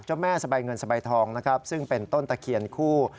เจ้าแม่สะใบเงินสะใบทองซึ่งเป็นต้นตะเคียนคู่